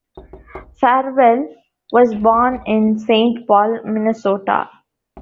Farwell was born in Saint Paul, Minnesota.